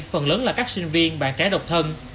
phần lớn là các sinh viên bạn trẻ độc thân